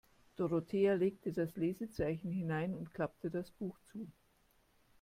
Dorothea legte das Lesezeichen hinein und klappte das Buch zu.